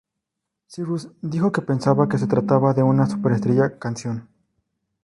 Cyrus dijo que pensaba que se trataba de una "superestrella" canción.